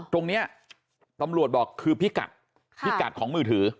ตรงนี้ตำรวจบอกคือพิกัดพิกัดของมือถือ